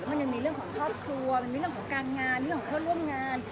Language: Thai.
มันยังมีเรื่องของครอบครัวมันมีเรื่องของการงานเรื่องของเพื่อนร่วมงาน